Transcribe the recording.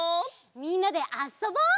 みんなであそぼう！